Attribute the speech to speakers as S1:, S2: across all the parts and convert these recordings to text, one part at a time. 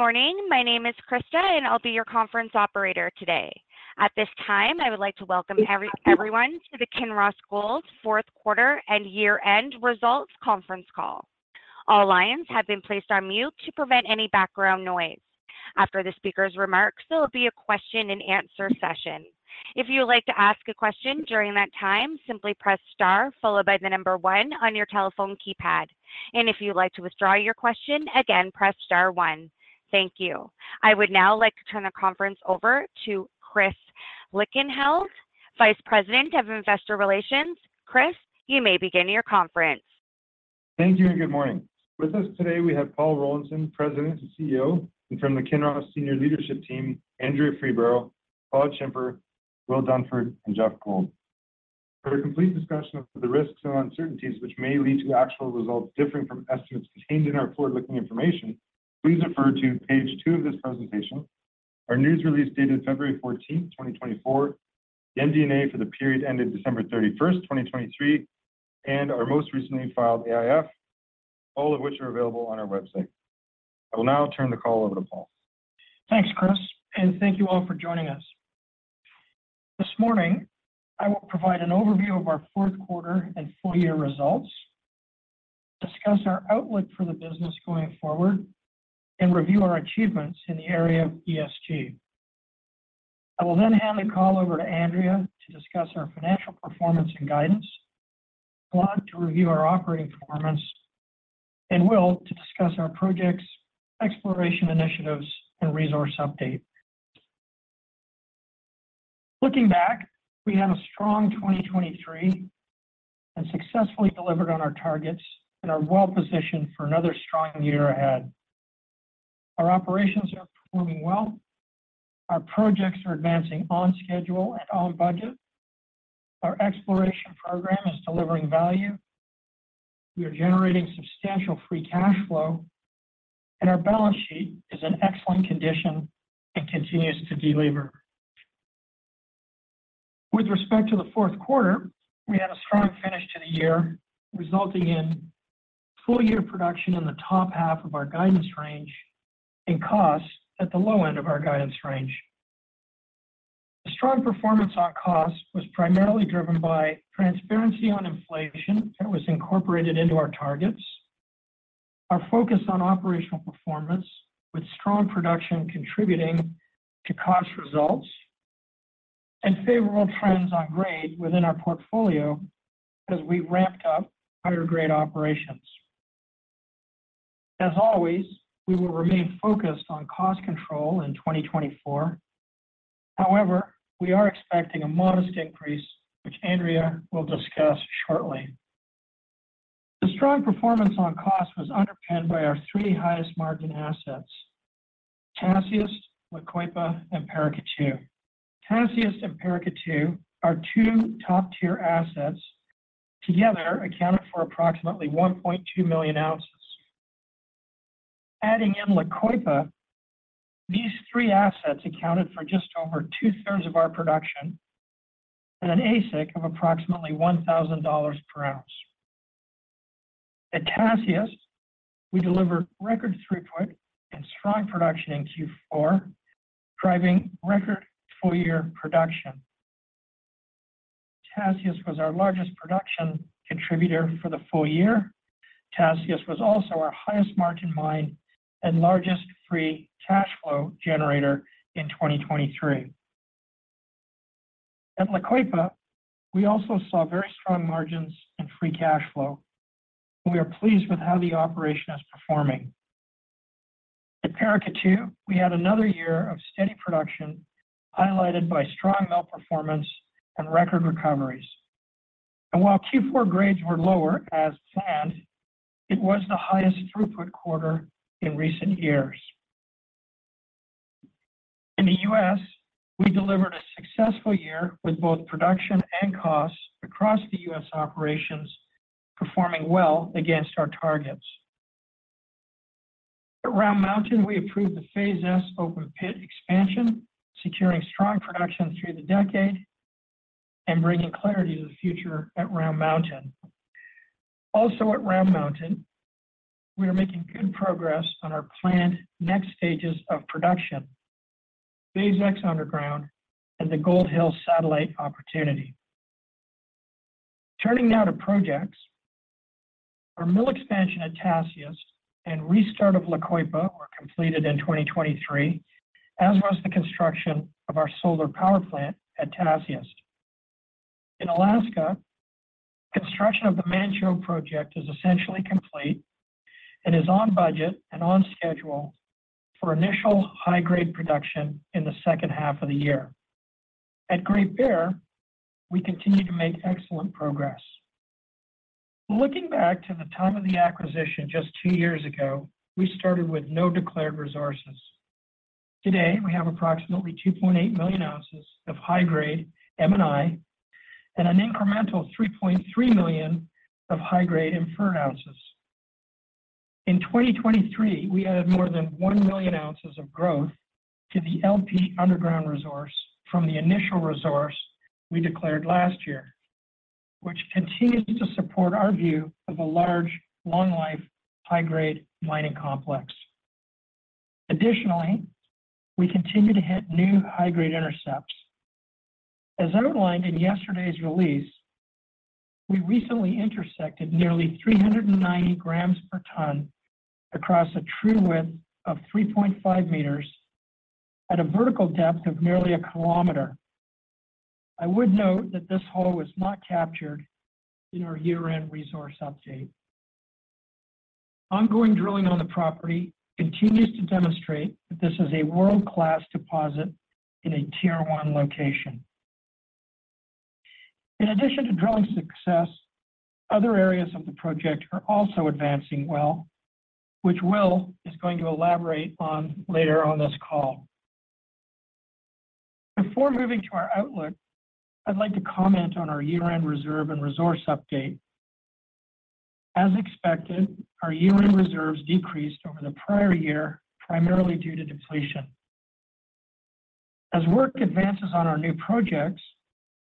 S1: Good morning. My name is Krista, and I'll be your conference operator today. At this time, I would like to welcome everyone to the Kinross Gold Fourth Quarter and Year-end Results Conference Call. All lines have been placed on mute to prevent any background noise. After the speaker's remarks, there will be a question-and-answer session. If you would like to ask a question during that time, simply press star followed by the number 1 on your telephone keypad. If you would like to withdraw your question, again, press star one. Thank you. I would now like to turn the conference over to Chris Lichtenheldt, Vice President of Investor Relations. Chris, you may begin your conference.
S2: Thank you and good morning. With us today, we have Paul Rollinson, President and CEO, and from the Kinross Senior Leadership Team, Andrea Freeborough, Claude Schimper, Will Dunford, and Geoff Gold. For a complete discussion of the risks and uncertainties which may lead to actual results differing from estimates contained in our forward-looking information, please refer to page 2 of this presentation, our news release dated February 14, 2024, the MD&A for the period ended December 31st, 2023, and our most recently filed AIF, all of which are available on our website. I will now turn the call over to Paul.
S3: Thanks, Chris, and thank you all for joining us. This morning, I will provide an overview of our fourth quarter and full-year results, discuss our outlook for the business going forward, and review our achievements in the area of ESG. I will then hand the call over to Andrea to discuss our financial performance and guidance, Claude to review our operating performance, and Will to discuss our projects, exploration initiatives, and resource update. Looking back, we had a strong 2023 and successfully delivered on our targets and are well positioned for another strong year ahead. Our operations are performing well. Our projects are advancing on schedule and on budget. Our exploration program is delivering value. We are generating substantial free cash flow, and our balance sheet is in excellent condition and continues to deliver. With respect to the fourth quarter, we had a strong finish to the year, resulting in full-year production in the top half of our guidance range and costs at the low end of our guidance range. The strong performance on costs was primarily driven by transparency on inflation that was incorporated into our targets, our focus on operational performance with strong production contributing to cost results, and favorable trends on grade within our portfolio as we ramped up higher-grade operations. As always, we will remain focused on cost control in 2024. However, we are expecting a modest increase, which Andrea will discuss shortly. The strong performance on costs was underpinned by our three highest margin assets: Tasiast, La Coipa, and Paracatu. Tasiast and Paracatu are two top-tier assets. Together, they accounted for approximately 1.2 million ounces. Adding in La Coipa, these three assets accounted for just over two-thirds of our production and an AISC of approximately $1,000 per ounce. At Tasiast, we delivered record throughput and strong production in Q4, driving record full-year production. Tasiast was our largest production contributor for the full year. Tasiast was also our highest margin mine and largest free cash flow generator in 2023. At La Coipa, we also saw very strong margins and free cash flow, and we are pleased with how the operation is performing. At Paracatu, we had another year of steady production highlighted by strong mill performance and record recoveries. And while Q4 grades were lower as planned, it was the highest throughput quarter in recent years. In the U.S., we delivered a successful year with both production and costs across the U.S. operations performing well against our targets. At Round Mountain, we approved the Phase S open pit expansion, securing strong production through the decade and bringing clarity to the future at Round Mountain. Also, at Round Mountain, we are making good progress on our planned next stages of production, Phase S underground, and the Gold Hill satellite opportunity. Turning now to projects, our mill expansion at Tasiast and restart of La Coipa were completed in 2023, as was the construction of our solar power plant at Tasiast. In Alaska, construction of the Manh Choh project is essentially complete and is on budget and on schedule for initial high-grade production in the second half of the year. At Great Bear, we continue to make excellent progress. Looking back to the time of the acquisition just two years ago, we started with no declared resources. Today, we have approximately 2.8 million ounces of high-grade M&I and an incremental 3.3 million of high-grade Inferred ounces. In 2023, we added more than 1 million ounces of growth to the LP underground resource from the initial resource we declared last year, which continues to support our view of a large, long-life, high-grade mining complex. Additionally, we continue to hit new high-grade intercepts. As outlined in yesterday's release, we recently intersected nearly 390 grams per ton across a true width of 3.5 meters at a vertical depth of nearly a kilometer. I would note that this hole was not captured in our year-end resource update. Ongoing drilling on the property continues to demonstrate that this is a world-class deposit in a tier-one location. In addition to drilling success, other areas of the project are also advancing well, which Will is going to elaborate on later on this call. Before moving to our outlook, I'd like to comment on our year-end reserve and resource update. As expected, our year-end reserves decreased over the prior year, primarily due to depletion. As work advances on our new projects,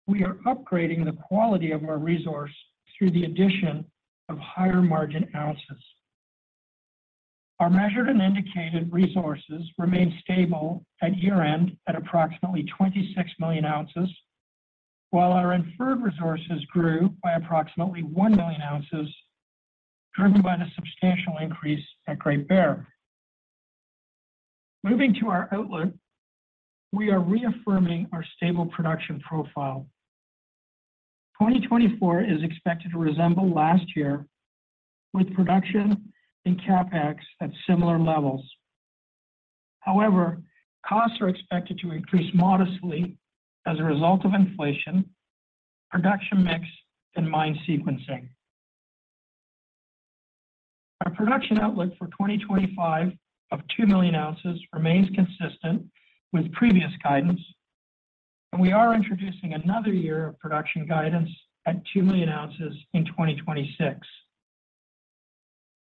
S3: we are upgrading the quality of our resource through the addition of higher-margin ounces. Our Measured and Indicated resources remained stable at year-end at approximately 26 million ounces, while our Inferred resources grew by approximately 1 million ounces, driven by the substantial increase at Great Bear. Moving to our outlook, we are reaffirming our stable production profile. 2024 is expected to resemble last year, with production and CapEx at similar levels. However, costs are expected to increase modestly as a result of inflation, production mix, and mine sequencing. Our production outlook for 2025 of 2 million ounces remains consistent with previous guidance, and we are introducing another year of production guidance at 2 million ounces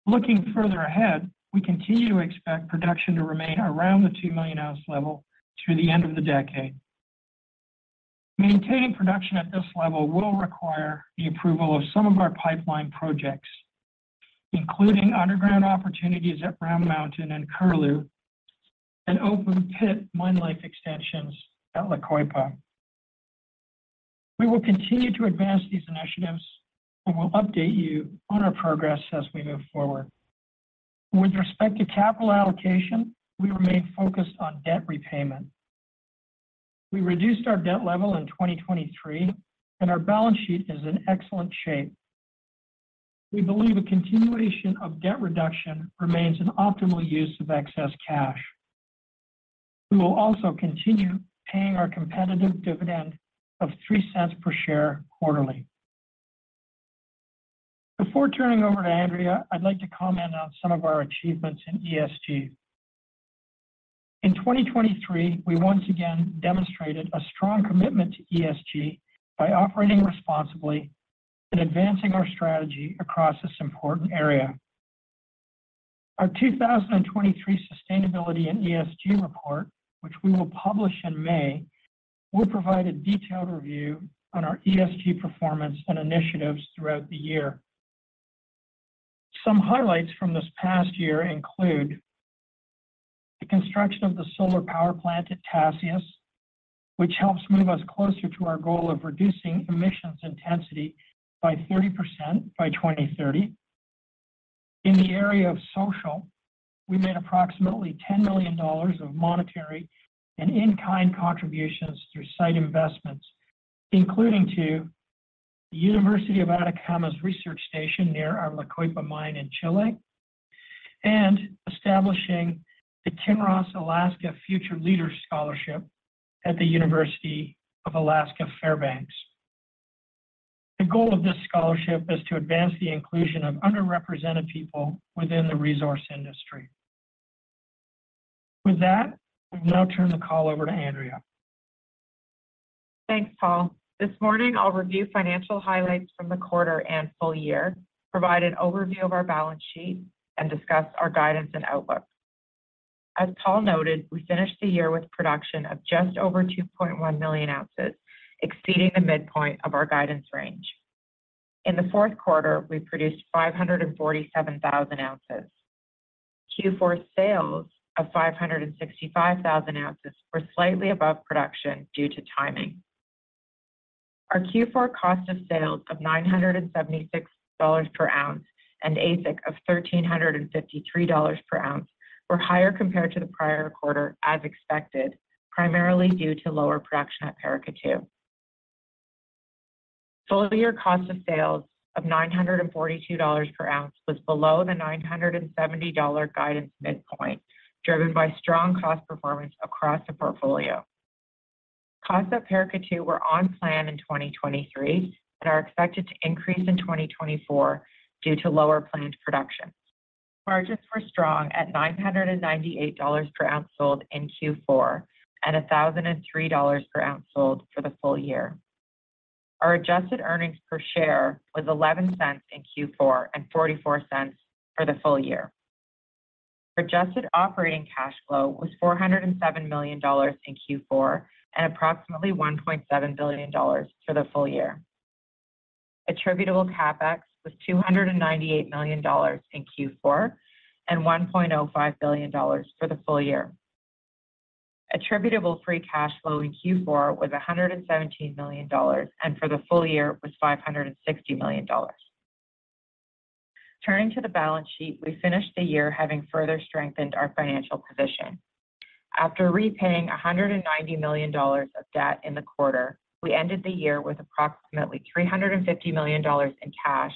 S3: in 2026. Looking further ahead, we continue to expect production to remain around the 2 million ounce level through the end of the decade. Maintaining production at this level will require the approval of some of our pipeline projects, including underground opportunities at Round Mountain and Curlew and open pit mine life extensions at La Coipa. We will continue to advance these initiatives and will update you on our progress as we move forward. With respect to capital allocation, we remain focused on debt repayment. We reduced our debt level in 2023, and our balance sheet is in excellent shape. We believe a continuation of debt reduction remains an optimal use of excess cash. We will also continue paying our competitive dividend of $0.03 per share quarterly. Before turning over to Andrea, I'd like to comment on some of our achievements in ESG. In 2023, we once again demonstrated a strong commitment to ESG by operating responsibly and advancing our strategy across this important area. Our 2023 sustainability and ESG report, which we will publish in May, will provide a detailed review on our ESG performance and initiatives throughout the year. Some highlights from this past year include the construction of the solar power plant at Tasiast, which helps move us closer to our goal of reducing emissions intensity by 30% by 2030. In the area of social, we made approximately $10 million of monetary and in-kind contributions through site investments, including to the University of Atacama's research station near our La Coipa mine in Chile and establishing the Kinross Alaska Future Leaders Scholarship at the University of Alaska Fairbanks. The goal of this scholarship is to advance the inclusion of underrepresented people within the resource industry. With that, we will now turn the call over to Andrea.
S4: Thanks, Paul. This morning, I'll review financial highlights from the quarter and full year, provide an overview of our balance sheet, and discuss our guidance and outlook. As Paul noted, we finished the year with production of just over 2.1 million ounces, exceeding the midpoint of our guidance range. In the fourth quarter, we produced 547,000 ounces. Q4 sales of 565,000 ounces were slightly above production due to timing. Our Q4 cost of sales of $976 per ounce and AISC of $1,353 per ounce were higher compared to the prior quarter, as expected, primarily due to lower production at Paracatu. Full-year cost of sales of $942 per ounce was below the $970 guidance midpoint, driven by strong cost performance across the portfolio. Costs at Paracatu were on plan in 2023 and are expected to increase in 2024 due to lower planned production. Margins were strong at $998 per ounce sold in Q4 and $1,003 per ounce sold for the full year. Our adjusted earnings per share was $0.11 in Q4 and $0.44 for the full year. Adjusted operating cash flow was $407 million in Q4 and approximately $1.7 billion for the full year. Attributable CapEx was $298 million in Q4 and $1.05 billion for the full year. Attributable free cash flow in Q4 was $117 million and for the full year was $560 million. Turning to the balance sheet, we finished the year having further strengthened our financial position. After repaying $190 million of debt in the quarter, we ended the year with approximately $350 million in cash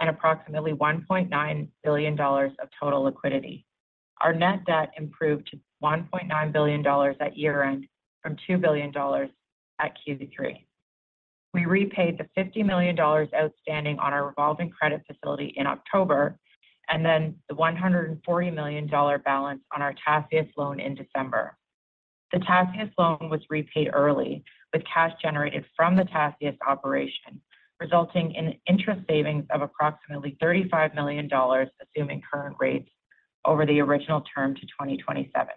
S4: and approximately $1.9 billion of total liquidity. Our net debt improved to $1.9 billion at year-end from $2 billion at Q3. We repaid the $50 million outstanding on our revolving credit facility in October and then the $140 million balance on our Tasiast loan in December. The Tasiast loan was repaid early with cash generated from the Tasiast operation, resulting in interest savings of approximately $35 million, assuming current rates, over the original term to 2027.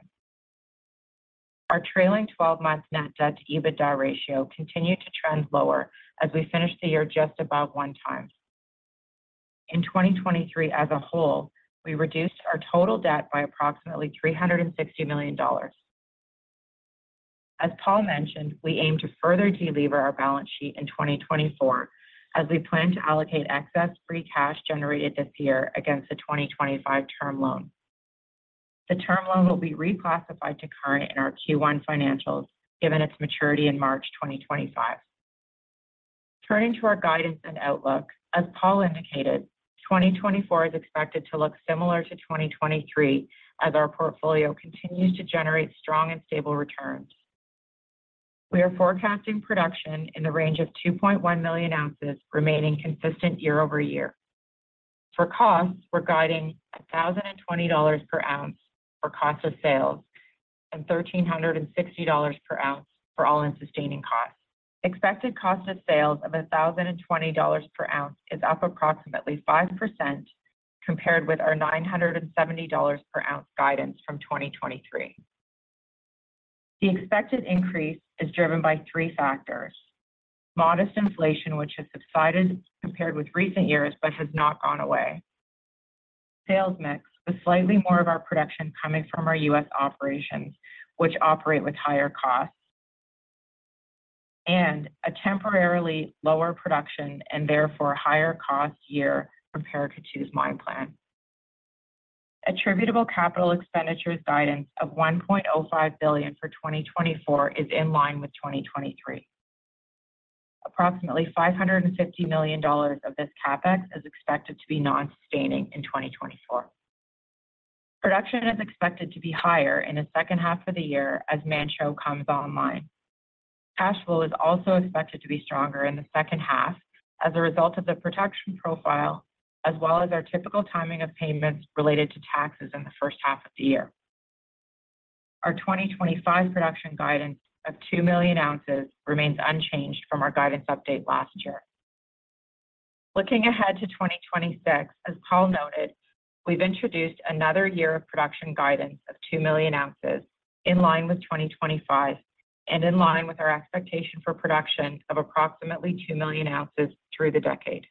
S4: Our trailing 12-month net debt to EBITDA ratio continued to trend lower as we finished the year just above one time. In 2023 as a whole, we reduced our total debt by approximately $360 million. As Paul mentioned, we aim to further deleverage our balance sheet in 2024 as we plan to allocate excess free cash generated this year against the 2025 term loan. The term loan will be reclassified to current in our Q1 financials given its maturity in March 2025. Turning to our guidance and outlook, as Paul indicated, 2024 is expected to look similar to 2023 as our portfolio continues to generate strong and stable returns. We are forecasting production in the range of 2.1 million ounces, remaining consistent year-over-year. For costs, we're guiding $1,020 per ounce for cost of sales and $1,360 per ounce for All-in Sustaining Costs. Expected cost of sales of $1,020 per ounce is up approximately 5% compared with our $970 per ounce guidance from 2023. The expected increase is driven by three factors: modest inflation, which has subsided compared with recent years but has not gone away. Sales mix with slightly more of our production coming from our U.S. operations, which operate with higher costs. And a temporarily lower production and therefore higher cost year compared to Tasiast's mine plan. Attributable capital expenditures guidance of $1.05 billion for 2024 is in line with 2023. Approximately $550 million of this CapEx is expected to be nonsustaining in 2024. Production is expected to be higher in the second half of the year as Manh Choh comes online. Cash flow is also expected to be stronger in the second half as a result of the production profile, as well as our typical timing of payments related to taxes in the first half of the year. Our 2025 production guidance of 2 million ounces remains unchanged from our guidance update last year. Looking ahead to 2026, as Paul noted, we've introduced another year of production guidance of 2 million ounces in line with 2025 and in line with our expectation for production of approximately 2 million ounces through the decade.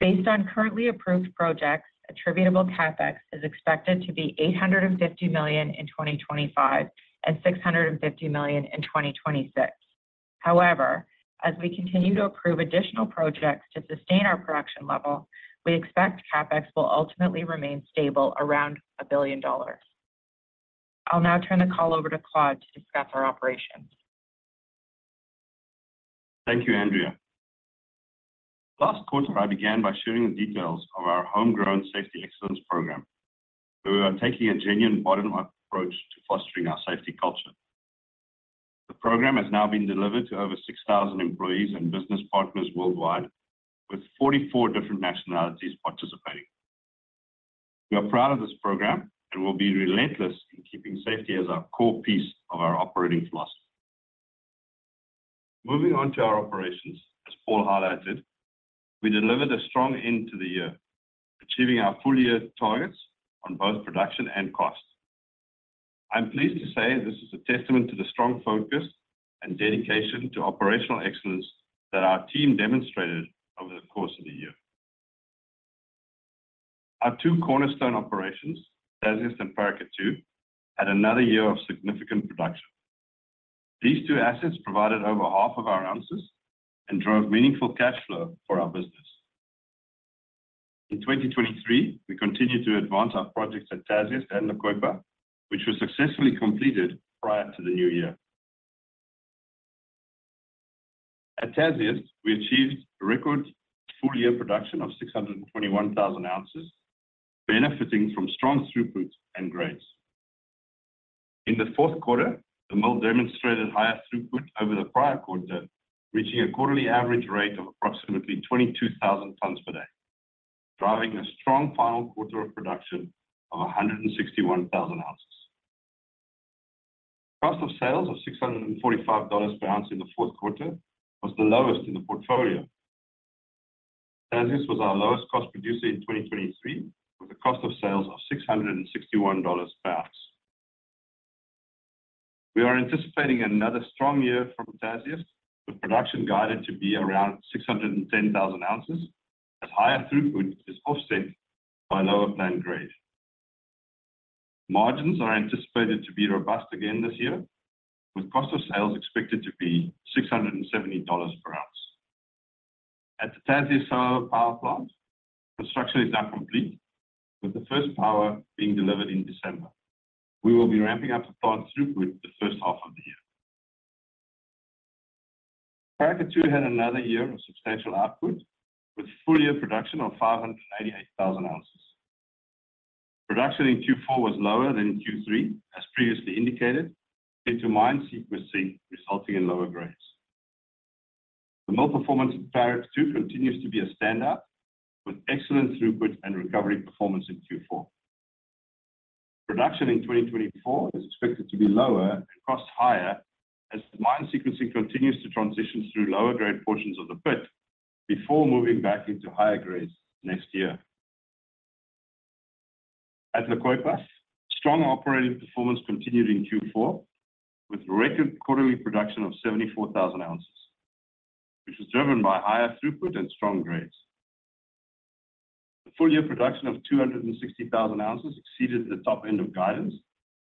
S4: Based on currently approved projects, attributable CapEx is expected to be $850 million in 2025 and $650 million in 2026. However, as we continue to approve additional projects to sustain our production level, we expect CapEx will ultimately remain stable around $1 billion. I'll now turn the call over to Claude to discuss our operations.
S5: Thank you, Andrea. Last quarter, I began by sharing the details of our homegrown safety excellence program, where we are taking a genuine bottom-up approach to fostering our safety culture. The program has now been delivered to over 6,000 employees and business partners worldwide, with 44 different nationalities participating. We are proud of this program and will be relentless in keeping safety as our core piece of our operating philosophy. Moving on to our operations, as Paul highlighted, we delivered a strong end to the year, achieving our full-year targets on both production and cost. I'm pleased to say this is a testament to the strong focus and dedication to operational excellence that our team demonstrated over the course of the year. Our two cornerstone operations, Tasiast and Paracatu, had another year of significant production. These two assets provided over half of our ounces and drove meaningful cash flow for our business. In 2023, we continued to advance our projects at Tasiast and La Coipa, which were successfully completed prior to the new year. At Tasiast, we achieved a record full-year production of 621,000 ounces, benefiting from strong throughput and grades. In the fourth quarter, the mill demonstrated higher throughput over the prior quarter, reaching a quarterly average rate of approximately 22,000 tons per day, driving a strong final quarter of production of 161,000 ounces. Cost of sales of $645 per ounce in the fourth quarter was the lowest in the portfolio. Tasiast was our lowest cost producer in 2023, with a cost of sales of $661 per ounce. We are anticipating another strong year from Tasiast, with production guided to be around 610,000 ounces, as higher throughput is offset by lower planned grade. Margins are anticipated to be robust again this year, with cost of sales expected to be $670 per ounce. At the Tasiast Solar Power Plant, construction is now complete, with the first power being delivered in December. We will be ramping up the plant through the first half of the year. Paracatu had another year of substantial output, with full-year production of 588,000 ounces. Production in Q4 was lower than in Q3, as previously indicated, due to mine sequencing resulting in lower grades. The mill performance of Paracatu continues to be a standout, with excellent throughput and recovery performance in Q4. Production in 2024 is expected to be lower and cost higher, as mine sequencing continues to transition through lower grade portions of the pit before moving back into higher grades next year. At La Coipa, strong operating performance continued in Q4, with record quarterly production of 74,000 ounces, which was driven by higher throughput and strong grades. The full-year production of 260,000 ounces exceeded the top end of guidance,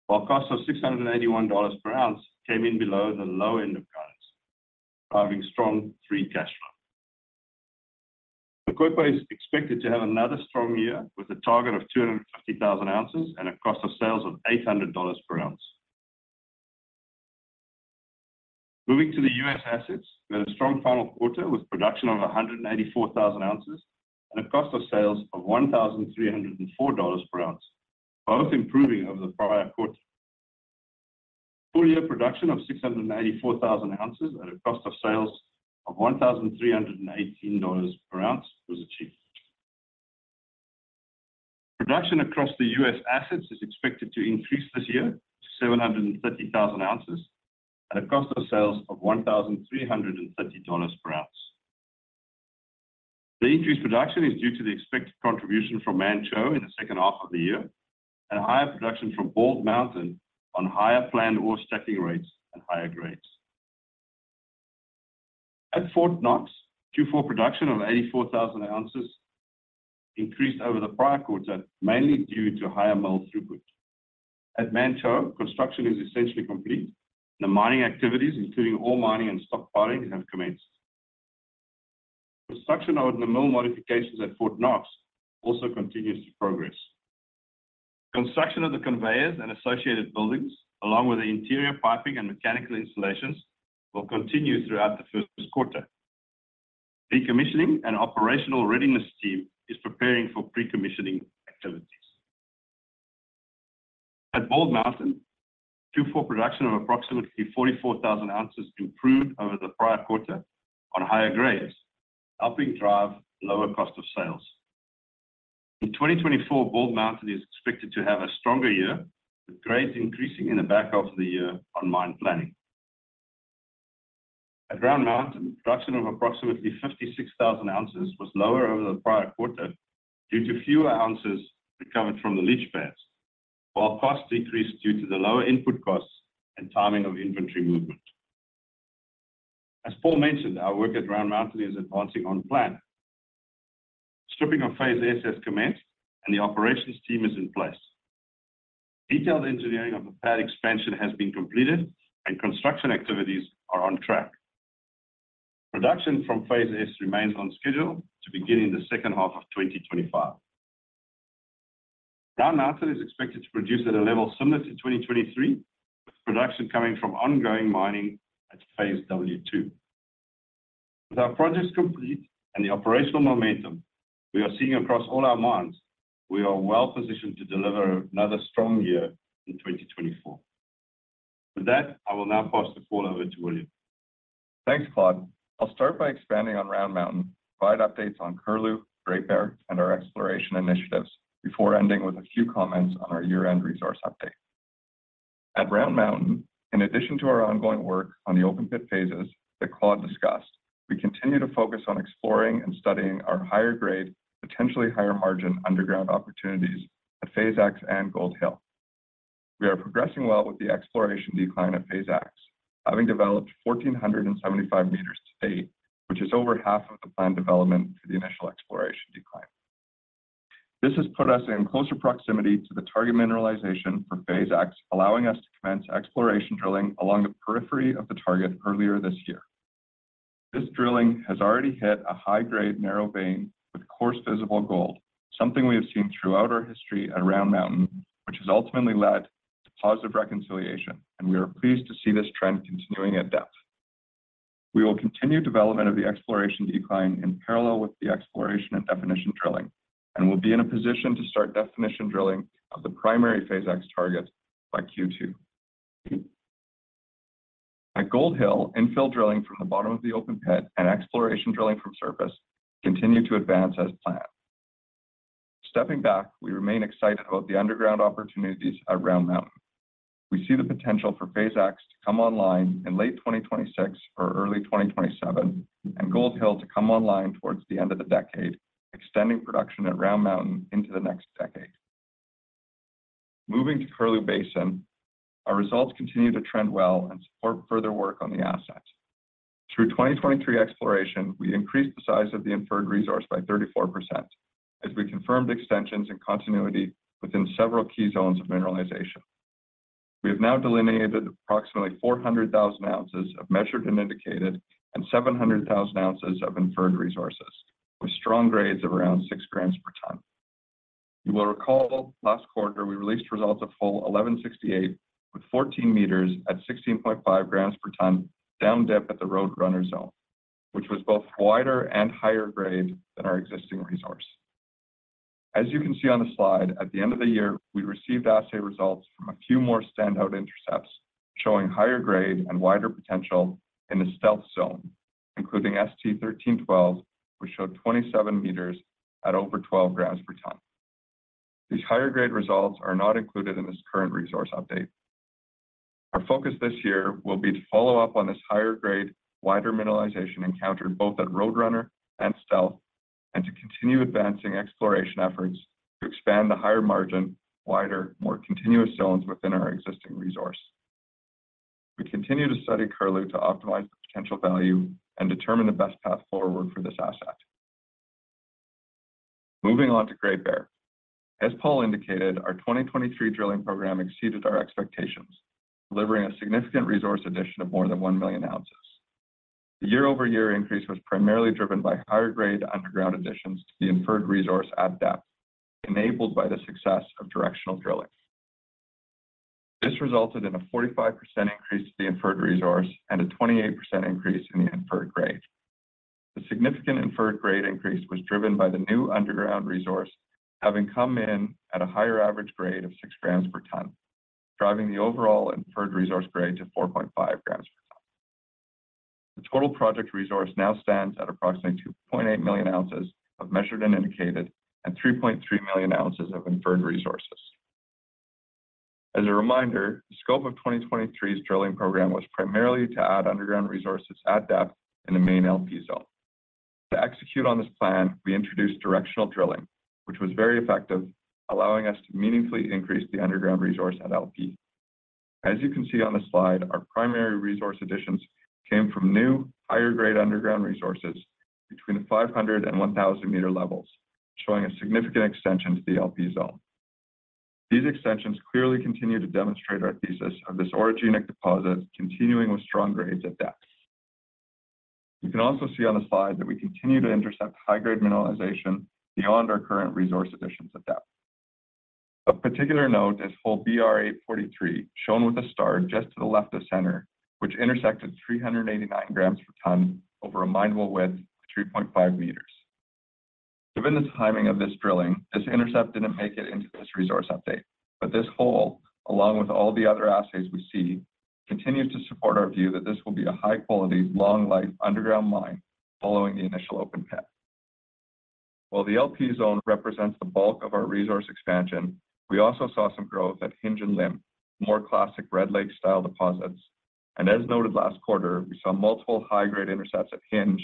S5: while costs of $681 per ounce came in below the low end of guidance, driving strong free cash flow. La Coipa is expected to have another strong year with a target of 250,000 ounces and a cost of sales of $800 per ounce. Moving to the U.S. assets, we had a strong final quarter with production of 184,000 ounces and a cost of sales of $1,304 per ounce, both improving over the prior quarter. Full-year production of 684,000 ounces at a cost of sales of $1,318 per ounce was achieved. Production across the U.S. assets is expected to increase this year to 730,000 ounces at a cost of sales of $1,330 per ounce. The increased production is due to the expected contribution from Manh Choh in the second half of the year and higher production from Bald Mountain on higher planned ore stacking rates and higher grades. At Fort Knox, Q4 production of 84,000 ounces increased over the prior quarter, mainly due to higher mill throughput. At Manh Choh, construction is essentially complete, and the mining activities, including ore mining and stockpiling, have commenced. Construction on the mill modifications at Fort Knox also continues to progress. Construction of the conveyors and associated buildings, along with the interior piping and mechanical installations, will continue throughout the first quarter. Decommissioning and operational readiness team is preparing for pre-commissioning activities. At Bald Mountain, Q4 production of approximately 44,000 ounces improved over the prior quarter on higher grades, helping drive lower cost of sales. In 2024, Bald Mountain is expected to have a stronger year, with grades increasing in the back half of the year on mine planning. At Round Mountain, production of approximately 56,000 ounces was lower over the prior quarter due to fewer ounces recovered from the leach pads, while costs decreased due to the lower input costs and timing of inventory movement. As Paul mentioned, our work at Round Mountain is advancing on plan. Stripping of Phase S has commenced, and the operations team is in place. Detailed engineering of the pad expansion has been completed, and construction activities are on track. Production from Phase S remains on schedule to begin in the second half of 2025. Round Mountain is expected to produce at a level similar to 2023, with production coming from ongoing mining at Phase W2. With our projects complete and the operational momentum we are seeing across all our mines, we are well positioned to deliver another strong year in 2024. With that, I will now pass the call over to William.
S6: Thanks, Claude. I'll start by expanding on Round Mountain, provide updates on Curlew, Great Bear, and our exploration initiatives before ending with a few comments on our year-end resource update. At Round Mountain, in addition to our ongoing work on the open pit phases that Claude discussed, we continue to focus on exploring and studying our higher grade, potentially higher margin underground opportunities at Phase S and Gold Hill. We are progressing well with the exploration decline at Phase X, having developed 1,475 meters to date, which is over half of the planned development for the initial exploration decline. This has put us in closer proximity to the target mineralization for Phase X, allowing us to commence exploration drilling along the periphery of the target earlier this year. This drilling has already hit a high-grade narrow vein with coarse visible gold, something we have seen throughout our history at Round Mountain, which has ultimately led to positive reconciliation, and we are pleased to see this trend continuing at depth. We will continue development of the exploration decline in parallel with the exploration and definition drilling, and will be in a position to start definition drilling of the primary Phase X target by Q2. At Gold Hill, infill drilling from the bottom of the open pit and exploration drilling from surface continue to advance as planned. Stepping back, we remain excited about the underground opportunities at Round Mountain. We see the potential for Phase X to come online in late 2026 or early 2027, and Gold Hill to come online towards the end of the decade, extending production at Round Mountain into the next decade. Moving to Curlew Basin, our results continue to trend well and support further work on the asset. Through 2023 exploration, we increased the size of the inferred resource by 34% as we confirmed extensions and continuity within several key zones of mineralization. We have now delineated approximately 400,000 ounces of Measured and Indicated and 700,000 ounces of inferred resources, with strong grades of around six grams per ton. You will recall last quarter, we released results from hole 1,168 with 14 meters at 16.5 grams per ton down depth at the Roadrunner zone, which was both wider and higher grade than our existing resource. As you can see on the slide, at the end of the year, we received assay results from a few more standout intercepts showing higher grade and wider potential in the Stealth zone, including ST 1312, which showed 27 meters at over 12 grams per ton. These higher grade results are not included in this current resource update. Our focus this year will be to follow up on this higher grade, wider mineralization encountered both at Roadrunner and Stealth, and to continue advancing exploration efforts to expand the higher margin, wider, more continuous zones within our existing resource. We continue to study Curlew to optimize the potential value and determine the best path forward for this asset. Moving on to Great Bear. As Paul indicated, our 2023 drilling program exceeded our expectations, delivering a significant resource addition of more than 1 million ounces. The year-over-year increase was primarily driven by higher grade underground additions to the Inferred Resource at depth, enabled by the success of directional drilling. This resulted in a 45% increase to the Inferred Resource and a 28% increase in the Inferred grade. The significant Inferred grade increase was driven by the new underground resource having come in at a higher average grade of 6 grams per ton, driving the overall Inferred Resource grade to 4.5 grams per ton. The total project resource now stands at approximately 2.8 million ounces of Measured and Indicated and 3.3 million ounces of Inferred Resources. As a reminder, the scope of 2023's drilling program was primarily to add underground resources at depth in the main LP Zone. To execute on this plan, we introduced directional drilling, which was very effective, allowing us to meaningfully increase the underground resource at LP. As you can see on the slide, our primary resource additions came from new, higher-grade underground resources between the 500- and 1,000-meter levels, showing a significant extension to the LP Zone. These extensions clearly continue to demonstrate our thesis of this orogenic deposit continuing with strong grades at depth. You can also see on the slide that we continue to intercept high-grade mineralization beyond our current resource additions at depth. Of particular note is hole BR-843, shown with a star just to the left of center, which intersected 389 grams per ton over a mineable width of 3.5 meters. Given the timing of this drilling, this intercept didn't make it into this resource update, but this hole, along with all the other assays we see, continues to support our view that this will be a high-quality, long-life underground mine following the initial open pit. While the LP Zone represents the bulk of our resource expansion, we also saw some growth at Hinge and Limb, more classic Red Lake-style deposits. And as noted last quarter, we saw multiple high-grade intercepts at Hinge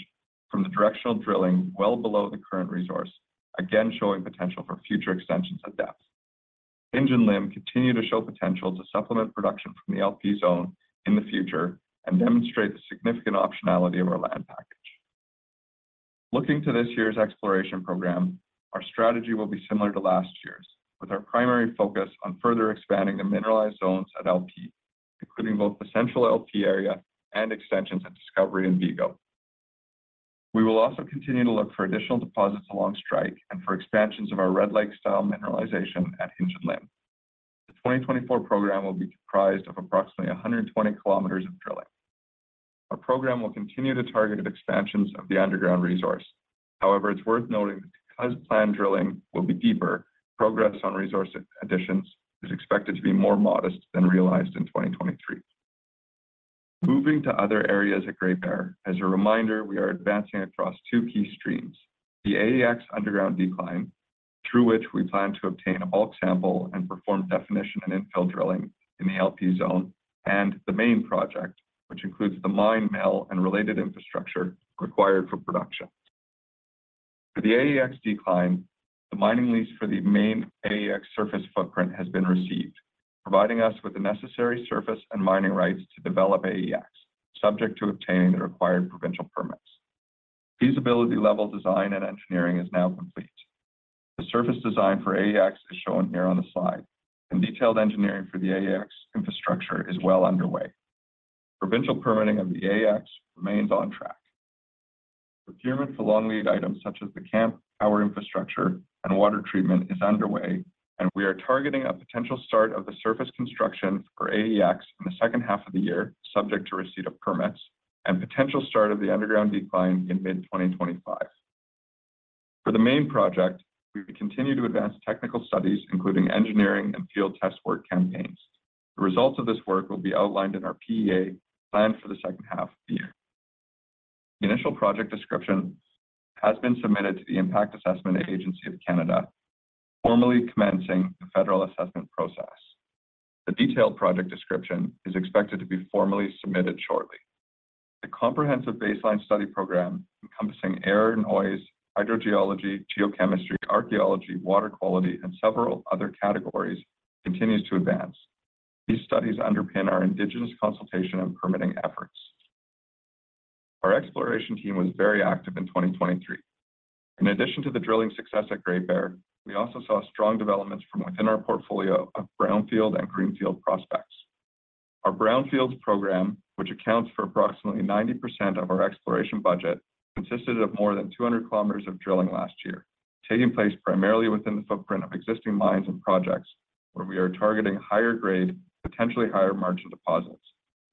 S6: from the directional drilling well below the current resource, again showing potential for future extensions at depth. Hinge and Limb continue to show potential to supplement production from the LP Zone in the future and demonstrate the significant optionality of our land package. Looking to this year's exploration program, our strategy will be similar to last year's, with our primary focus on further expanding the mineralized zones at LP, including both the central LP area and extensions at Discovery and Vigo. We will also continue to look for additional deposits along strike and for expansions of our Red Lake-style mineralization at Hinge and Limb. The 2024 program will be comprised of approximately 120 km of drilling. Our program will continue to target expansions of the underground resource. However, it's worth noting that because planned drilling will be deeper, progress on resource additions is expected to be more modest than realized in 2023. Moving to other areas at Great Bear, as a reminder, we are advancing across two key streams: the AEX underground decline, through which we plan to obtain a bulk sample and perform definition and infill drilling in the LP Zone, and the main project, which includes the mine mill and related infrastructure required for production. For the AEX decline, the mining lease for the main AEX surface footprint has been received, providing us with the necessary surface and mining rights to develop AEX, subject to obtaining the required provincial permits. Feasibility level design and engineering is now complete. The surface design for AEX is shown here on the slide, and detailed engineering for the AEX infrastructure is well underway. Provincial permitting of the AEX remains on track. Procurement for long lead items such as the camp, power infrastructure, and water treatment is underway, and we are targeting a potential start of the surface construction for AEX in the second half of the year, subject to receipt of permits, and potential start of the underground decline in mid-2025. For the main project, we continue to advance technical studies, including engineering and field test work campaigns. The results of this work will be outlined in our PEA planned for the second half of the year. The initial project description has been submitted to the Impact Assessment Agency of Canada, formally commencing the federal assessment process. The detailed project description is expected to be formally submitted shortly. The comprehensive baseline study program encompassing air, noise, hydrogeology, geochemistry, archaeology, water quality, and several other categories continues to advance. These studies underpin our indigenous consultation and permitting efforts. Our exploration team was very active in 2023. In addition to the drilling success at Great Bear, we also saw strong developments from within our portfolio of brownfield and greenfield prospects. Our brownfields program, which accounts for approximately 90% of our exploration budget, consisted of more than 200 km of drilling last year, taking place primarily within the footprint of existing mines and projects where we are targeting higher grade, potentially higher margin deposits,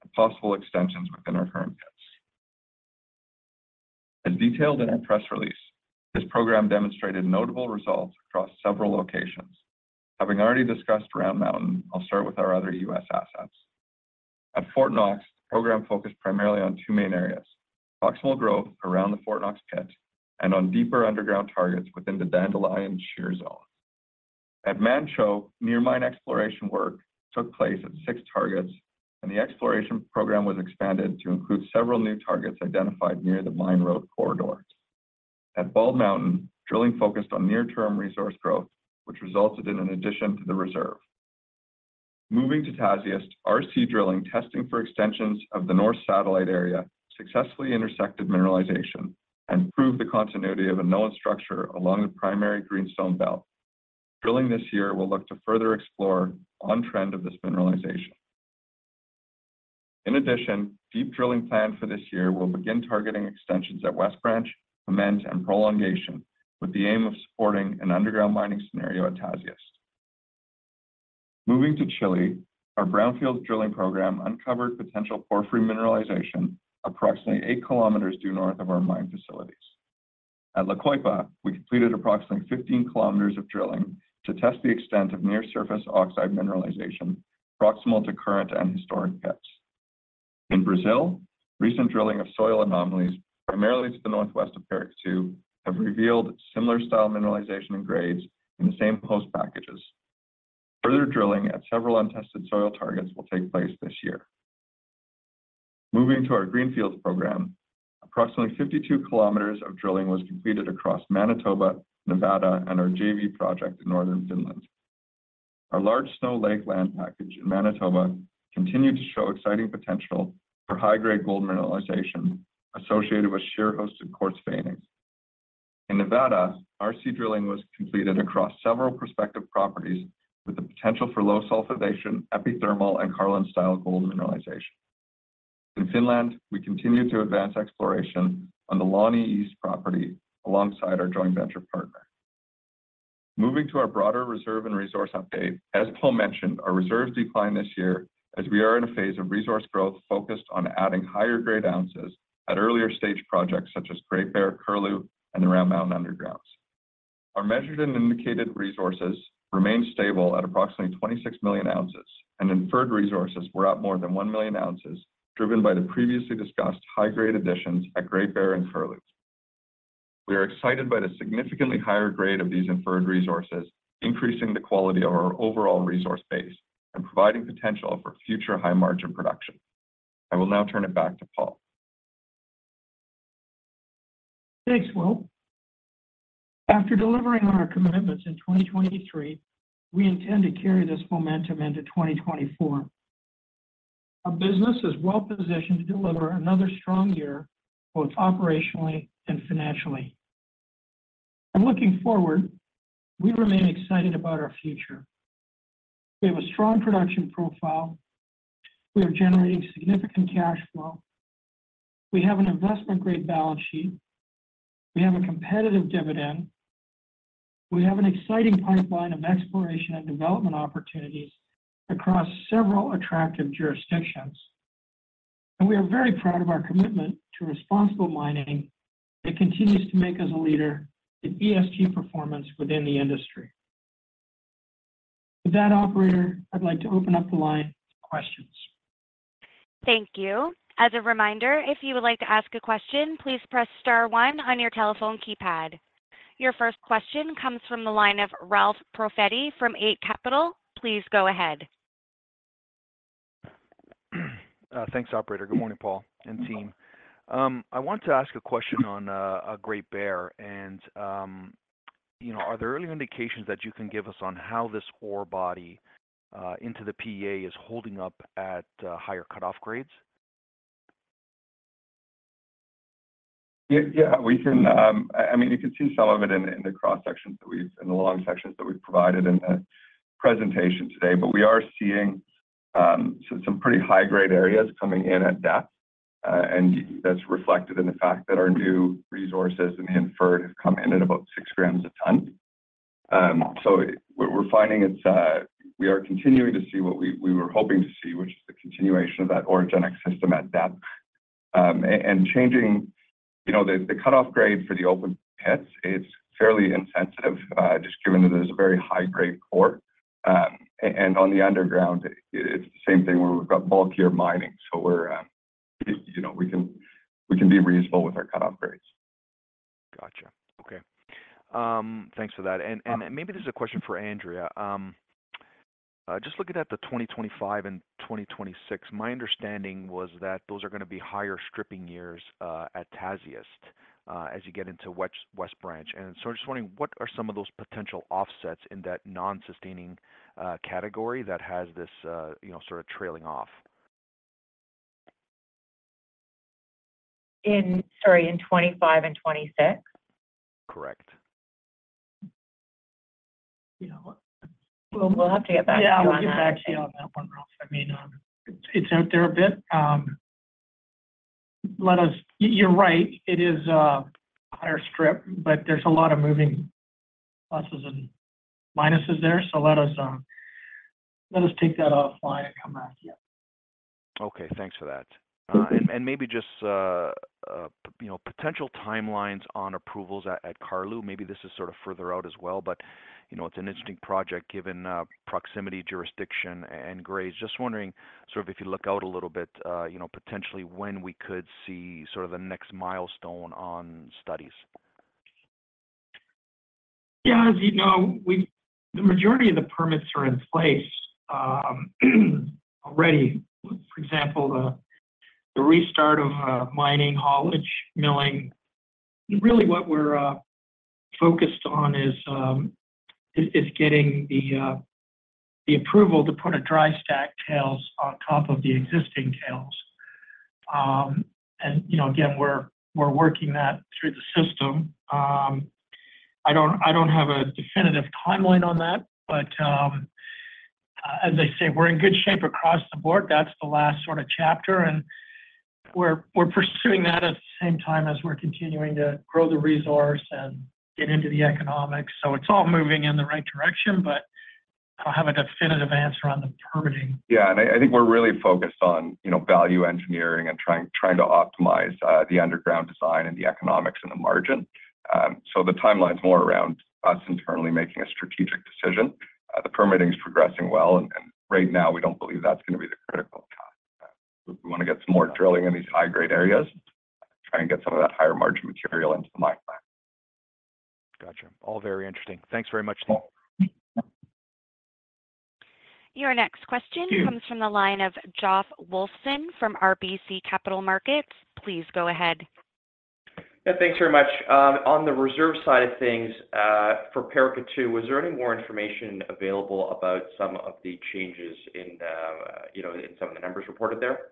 S6: and possible extensions within our current pits. As detailed in our press release, this program demonstrated notable results across several locations. Having already discussed Round Mountain, I'll start with our other U.S. assets. At Fort Knox, the program focused primarily on two main areas: proximal growth around the Fort Knox pit and on deeper underground targets within the Dandelion Shear zone. At Manh Choh, near-mine exploration work took place at 6 targets, and the exploration program was expanded to include several new targets identified near the mine road corridor. At Bald Mountain, drilling focused on near-term resource growth, which resulted in an addition to the reserve. Moving to Tasiast, RC drilling testing for extensions of the north satellite area successfully intersected mineralization and proved the continuity of a known structure along the primary greenstone belt. Drilling this year will look to further explore on-trend of this mineralization. In addition, deep drilling planned for this year will begin targeting extensions at West Branch, Piment, and Prolongation with the aim of supporting an underground mining scenario at Tasiast. Moving to Chile, our brownfields drilling program uncovered potential porphyry mineralization approximately 8 km due north of our mine facilities. At La Coipa, we completed approximately 15 km of drilling to test the extent of near-surface oxide mineralization proximal to current and historic pits. In Brazil, recent drilling of soil anomalies, primarily to the northwest of Paracatu, have revealed similar style mineralization and grades in the same host packages. Further drilling at several untested soil targets will take place this year. Moving to our greenfields program, approximately 52 km of drilling was completed across Manitoba, Nevada, and our JV project in northern Finland. Our large Snow Lake land package in Manitoba continued to show exciting potential for high-grade gold mineralization associated with shear-hosted quartz veining. In Nevada, RC drilling was completed across several prospective properties with the potential for low-sulfidation, epithermal, and Carlin-style gold mineralization. In Finland, we continue to advance exploration on the Launi East property alongside our joint venture partner. Moving to our broader reserve and resource update, as Paul mentioned, our reserves decline this year as we are in a phase of resource growth focused on adding higher grade ounces at earlier stage projects such as Great Bear, Curlew, and the Round Mountain undergrounds. Our Measured and Indicated resources remain stable at approximately 26 million ounces, and inferred resources were at more than 1 million ounces driven by the previously discussed high grade additions at Great Bear and Curlew. We are excited by the significantly higher grade of these inferred resources, increasing the quality of our overall resource base and providing potential for future high margin production. I will now turn it back to Paul.
S3: Thanks, Will. After delivering on our commitments in 2023, we intend to carry this momentum into 2024. Our business is well positioned to deliver another strong year both operationally and financially. Looking forward, we remain excited about our future. We have a strong production profile. We are generating significant cash flow. We have an investment grade balance sheet. We have a competitive dividend. We have an exciting pipeline of exploration and development opportunities across several attractive jurisdictions. We are very proud of our commitment to responsible mining that continues to make us a leader in ESG performance within the industry. With that, operator, I'd like to open up the line for questions.
S1: Thank you. As a reminder, if you would like to ask a question, please press star one on your telephone keypad. Your first question comes from the line of Ralph Profiti from Eight Capital. Please go ahead.
S7: Thanks, operator. Good morning, Paul and team. I wanted to ask a question on Great Bear, and are there early indications that you can give us on how this ore body into the PEA is holding up at higher cutoff grades?
S3: Yeah, we can. I mean, you can see some of it in the cross-sections that we have in the long sections that we've provided in the presentation today, but we are seeing some pretty high grade areas coming in at depth, and that's reflected in the fact that our new resources and the inferred have come in at about 6 grams a ton. So we're finding we are continuing to see what we were hoping to see, which is the continuation of that orogenic system at depth. Changing the cutoff grade for the open pits, it's fairly insensitive, just given that there's a very high grade core. On the underground, it's the same thing where we've got bulkier mining, so we can be reasonable with our cutoff grades.
S7: Gotcha. Okay. Thanks for that. And maybe this is a question for Andrea. Just looking at the 2025 and 2026, my understanding was that those are going to be higher stripping years at Tasiast as you get into West Branch. And so I'm just wondering, what are some of those potential offsets in that non-sustaining category that has this sort of trailing off?
S4: Sorry, in 2025 and 2026?
S7: Correct.
S4: Will have to get back to you on that.
S3: Yeah, I'll get back to you on that one, Ralph. I mean, it's out there a bit. You're right. It is a higher strip, but there's a lot of moving pluses and minuses there, so let us take that offline and come back to you.
S7: Okay. Thanks for that. Maybe just potential timelines on approvals at Curlew. Maybe this is sort of further out as well, but it's an interesting project given proximity, jurisdiction, and grades. Just wondering sort of if you look out a little bit, potentially when we could see sort of the next milestone on studies.
S3: Yeah, as you know, the majority of the permits are in place already. For example, the restart of mining, haulage, milling. Really, what we're focused on is getting the approval to put a dry stack tails on top of the existing tails. And again, we're working that through the system. I don't have a definitive timeline on that, but as I say, we're in good shape across the board. That's the last sort of chapter, and we're pursuing that at the same time as we're continuing to grow the resource and get into the economics. So it's all moving in the right direction, but I don't have a definitive answer on the permitting.
S5: Yeah, and I think we're really focused on value engineering and trying to optimize the underground design and the economics and the margin. So the timeline's more around us internally making a strategic decision. The permitting is progressing well, and right now, we don't believe that's going to be the critical time. We want to get some more drilling in these high grade areas, try and get some of that higher margin material into the mine plan.
S7: Gotcha. All very interesting. Thanks very much, Steve.
S1: Your next question comes from the line of Josh Wolfson from RBC Capital Markets. Please go ahead.
S8: Yeah, thanks very much. On the reserve side of things for Paracatu, was there any more information available about some of the changes in some of the numbers reported there?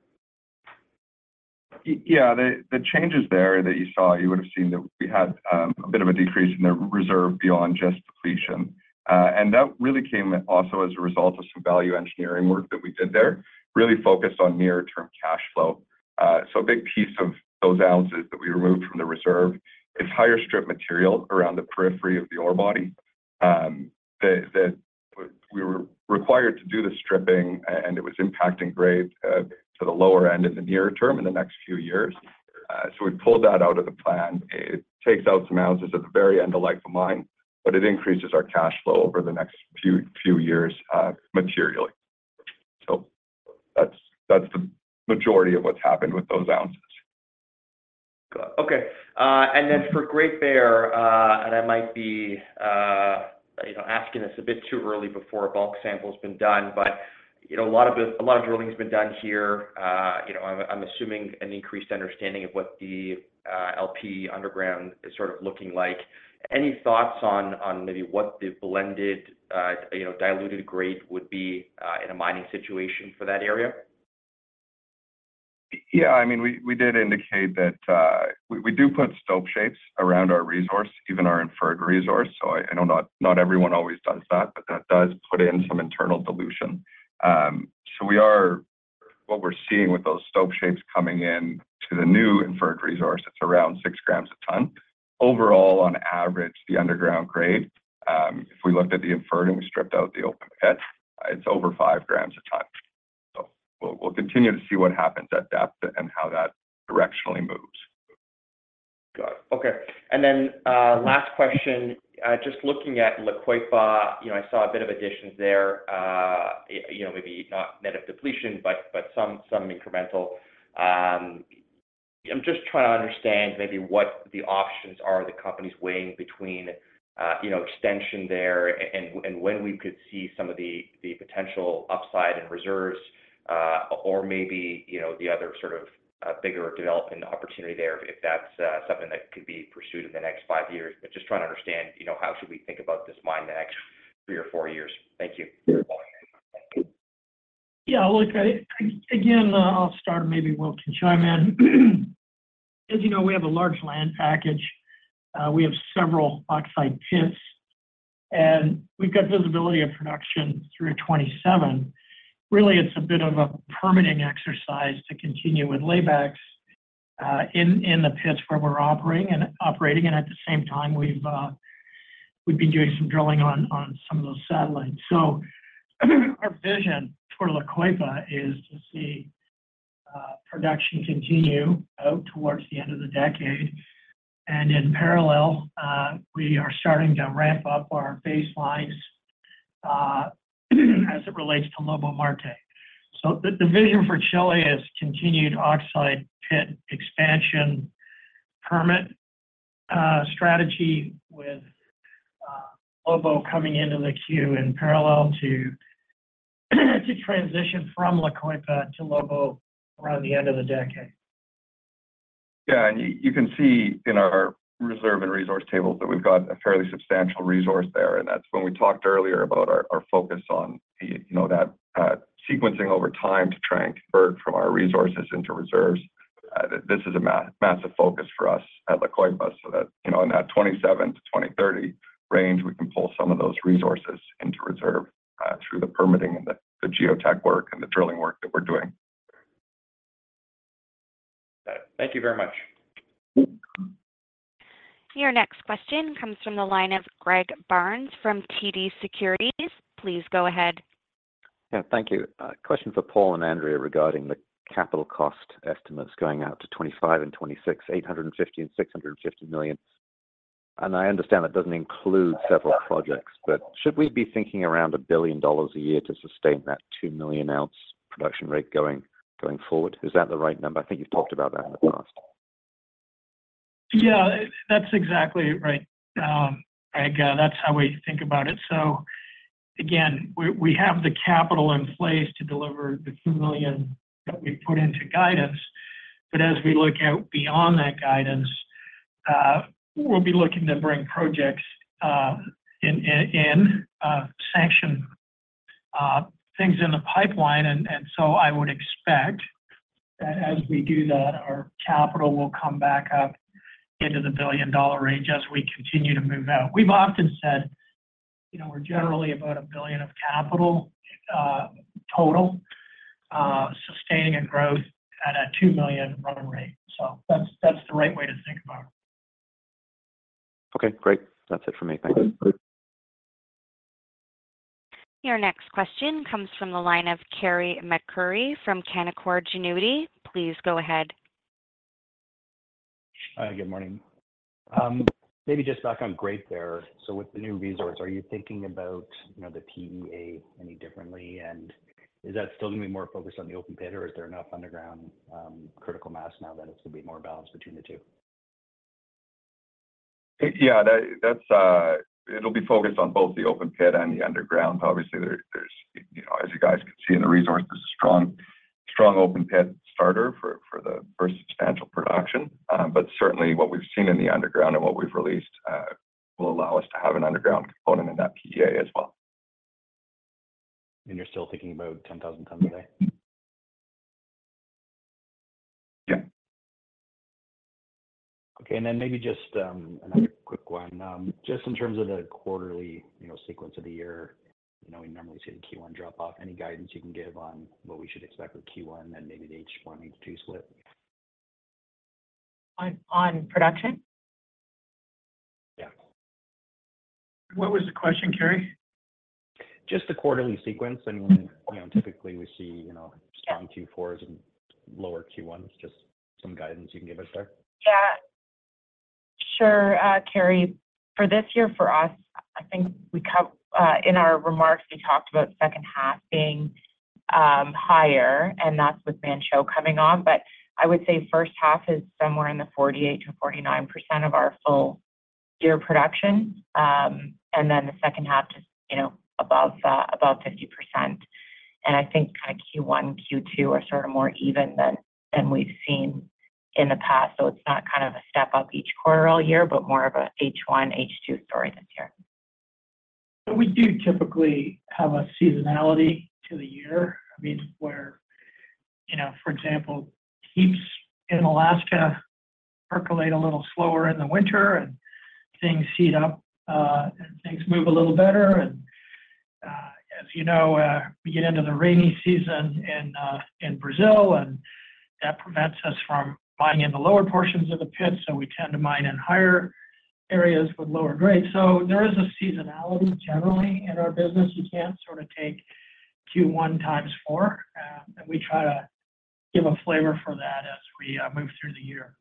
S5: Yeah, the changes there that you saw, you would have seen that we had a bit of a decrease in the reserve beyond just depletion. That really came also as a result of some value engineering work that we did there, really focused on near-term cash flow. So a big piece of those ounces that we removed from the reserve, it's higher strip material around the periphery of the ore body. We were required to do the stripping, and it was impacting grade to the lower end in the near term in the next few years. So we pulled that out of the plan. It takes out some ounces at the very end of life of mine, but it increases our cash flow over the next few years materially. So that's the majority of what's happened with those ounces.
S8: Okay. Then for Great Bear, and I might be asking this a bit too early before a bulk sample has been done, but a lot of drilling has been done here. I'm assuming an increased understanding of what the LP underground is sort of looking like. Any thoughts on maybe what the blended diluted grade would be in a mining situation for that area?
S5: Yeah, I mean, we did indicate that we do put stope shapes around our resource, even our inferred resource. So I know not everyone always does that, but that does put in some internal dilution. So what we're seeing with those stope shapes coming in to the new inferred resource, it's around 6 grams a ton. Overall, on average, the underground grade, if we looked at the inferred and we stripped out the open pit, it's over 5 grams a ton. So we'll continue to see what happens at depth and how that directionally moves.
S8: Got it. Okay. And then last question, just looking at La Coipa, I saw a bit of additions there, maybe not net of depletion, but some incremental. I'm just trying to understand maybe what the options are the companies weighing between extension there and when we could see some of the potential upside in reserves or maybe the other sort of bigger development opportunity there if that's something that could be pursued in the next five years. But just trying to understand, how should we think about this mine the next three or four years? Thank you.
S3: Yeah, look, again, I'll start maybe Will Dunford. As you know, we have a large land package. We have several oxide pits, and we've got visibility of production through 2027. Really, it's a bit of a permitting exercise to continue with laybacks in the pits where we're operating, and at the same time, we've been doing some drilling on some of those satellites. So our vision toward La Coipa is to see production continue out towards the end of the decade. And in parallel, we are starting to ramp up our baselines as it relates to Lobo-Marte. So the vision for Chile is continued oxide pit expansion permit strategy with Lobo-Marte coming into the queue in parallel to transition from La Coipa to Lobo-Marte around the end of the decade.
S6: Yeah, and you can see in our reserve and resource tables that we've got a fairly substantial resource there. And that's when we talked earlier about our focus on that sequencing over time to track inferred from our resources into reserves. This is a massive focus for us at La Coipa, so that in that 2027-2030 range, we can pull some of those resources into reserve through the permitting and the geotech work and the drilling work that we're doing.
S8: Got it. Thank you very much.
S1: Your next question comes from the line of Greg Barnes from TD Securities. Please go ahead.
S9: Yeah, thank you. Question for Paul and Andrea regarding the capital cost estimates going out to 2025 and 2026, $850 million and $650 million. I understand that doesn't include several projects, but should we be thinking around $1 billion a year to sustain that 2 million ounce production rate going forward? Is that the right number? I think you've talked about that in the past.
S3: Yeah, that's exactly right. That's how we think about it. So again, we have the capital in place to deliver the 2 million that we put into guidance. But as we look out beyond that guidance, we'll be looking to bring projects in, sanction things in the pipeline. And so I would expect that as we do that, our capital will come back up into the $1 billion range as we continue to move out. We've often said we're generally about $1 billion of capital total sustaining and growth at a 2 million run rate. So that's the right way to think about it.
S9: Okay. Great. That's it for me. Thanks.
S1: Your next question comes from the line of Carey MacRury from Canaccord Genuity. Please go ahead.
S10: Good morning. Maybe just back on Great Bear. So with the new resource, are you thinking about the PEA any differently? And is that still going to be more focused on the open pit, or is there enough underground critical mass now that it's going to be more balanced between the two?
S5: Yeah, it'll be focused on both the open pit and the underground. Obviously, as you guys can see in the resource, this is a strong open pit starter for the first substantial production. But certainly, what we've seen in the underground and what we've released will allow us to have an underground component in that PEA as well.
S10: You're still thinking about 10,000 tons a day?
S5: Yeah.
S10: Okay. And then maybe just another quick one. Just in terms of the quarterly sequence of the year, we normally see the Q1 drop off. Any guidance you can give on what we should expect with Q1 and maybe the H1, H2 split?
S4: On production?
S10: Yeah.
S3: What was the question, Carey?
S10: Just the quarterly sequence. I mean, typically, we see strong Q4s and lower Q1s. Just some guidance you can give us there?
S4: Yeah. Sure, Kerry. For this year, for us, I think in our remarks, we talked about second half being higher, and that's with Manh Choh coming on. But I would say first half is somewhere in the 48%-49% of our full year production, and then the second half just above 50%. And I think kind of Q1, Q2 are sort of more even than we've seen in the past. So it's not kind of a step up each quarter all year, but more of an H1, H2 story this year.
S3: We do typically have a seasonality to the year. I mean, for example, heaps in Alaska percolate a little slower in the winter, and things heat up, and things move a little better. And as you know, we get into the rainy season in Brazil, and that prevents us from mining in the lower portions of the pits. So we tend to mine in higher areas with lower grades. So there is a seasonality generally in our business. You can't sort of take Q1 times 4. And we try to give a flavor for that as we move through the year.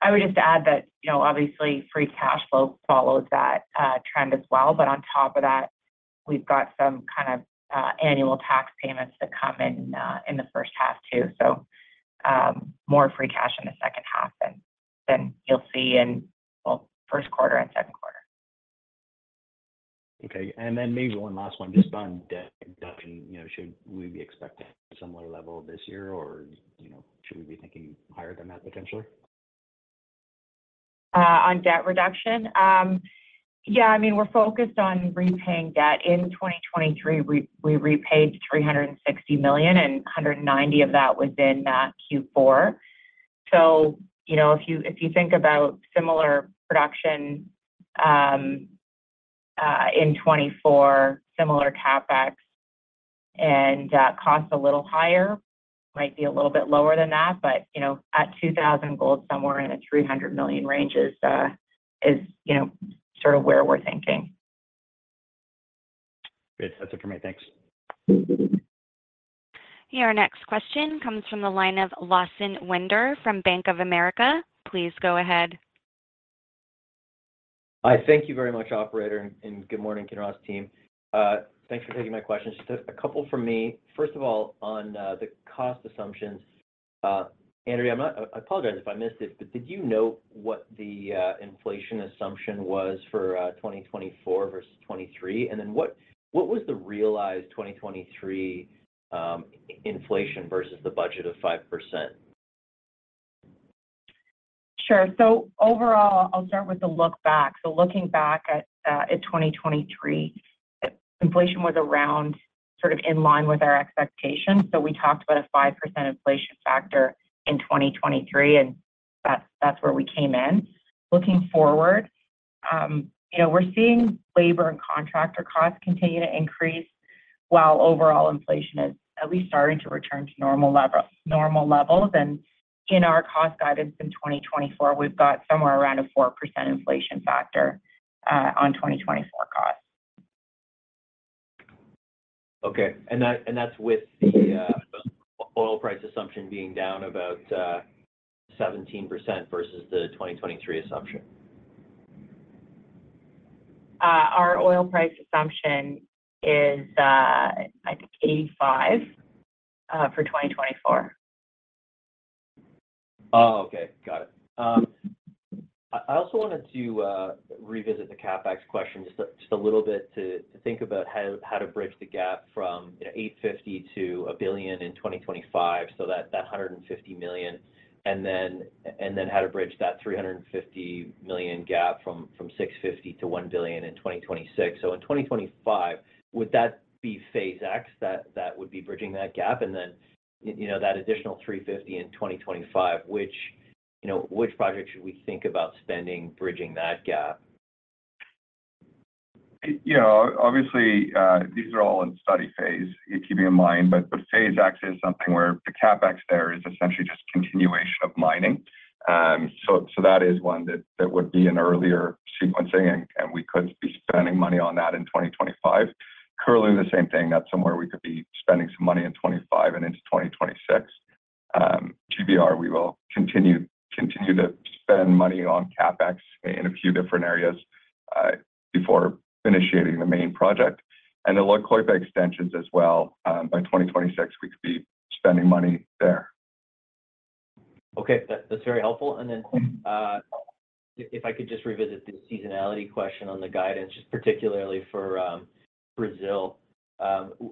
S4: I would just add that obviously, free cash flow follows that trend as well. On top of that, we've got some kind of annual tax payments that come in the first half too. More free cash in the second half than you'll see in, well, first quarter and second quarter.
S10: Okay. And then maybe one last one, just on debt reduction. Should we be expecting a similar level this year, or should we be thinking higher than that potentially?
S4: On debt reduction? Yeah, I mean, we're focused on repaying debt. In 2023, we repaid $360 million, and $190 million of that was in Q4. So if you think about similar production in 2024, similar CapEx and cost a little higher, might be a little bit lower than that. But at $2,000 gold, somewhere in the $300 million range is sort of where we're thinking.
S10: Great. That's it for me. Thanks.
S1: Your next question comes from the line of Lawson Winder from Bank of America. Please go ahead.
S11: Hi, thank you very much, operator, and good morning, Kinross team. Thanks for taking my questions. Just a couple from me. First of all, on the cost assumptions, Andrea, I apologize if I missed it, but did you note what the inflation assumption was for 2024 versus 2023? And then what was the realized 2023 inflation versus the budget of 5%?
S4: Sure. So overall, I'll start with the look back. So looking back at 2023, inflation was around sort of in line with our expectations. So we talked about a 5% inflation factor in 2023, and that's where we came in. Looking forward, we're seeing labor and contractor costs continue to increase while overall inflation is at least starting to return to normal levels. And in our cost guidance in 2024, we've got somewhere around a 4% inflation factor on 2024 costs.
S11: Okay. That's with the oil price assumption being down about 17% versus the 2023 assumption?
S4: Our oil price assumption is, I think, $85 for 2024.
S11: Oh, okay. Got it. I also wanted to revisit the CapEx question just a little bit to think about how to bridge the gap from $850 million to $1 billion in 2025, so that $150 million, and then how to bridge that $350 million gap from $650 million to $1 billion in 2026. So in 2025, would that be Phase X? That would be bridging that gap? And then that additional $350 million in 2025, which project should we think about spending bridging that gap?
S6: Obviously, these are all in study phase, keeping in mind. But Phase X is something where the CapEx there is essentially just continuation of mining. So that is one that would be an earlier sequencing, and we could be spending money on that in 2025. Currently, the same thing. That's somewhere we could be spending some money in 2025 and into 2026. GBR, we will continue to spend money on CapEx in a few different areas before initiating the main project. And the La Coipa extensions as well, by 2026, we could be spending money there.
S11: Okay. That's very helpful. Then if I could just revisit the seasonality question on the guidance, just particularly for Brazil,